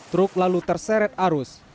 truk lalu terseret arus